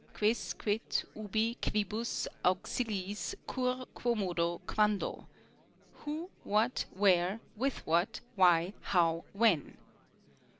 Quis, quid, ubi, quibus, auxiliis, cur, quomodo, quando ? Who, what, where, with what, why, how, when.